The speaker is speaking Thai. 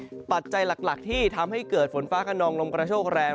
ปัจจัยหลักที่ทำให้เกิดฝนฟ้าขนองลมกระโชคแรง